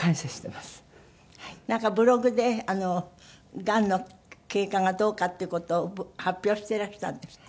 なんかブログでがんの経過がどうかっていう事を発表してらしたんですって？